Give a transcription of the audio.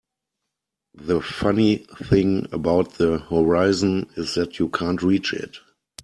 The funny thing about the horizon is that you can't reach it.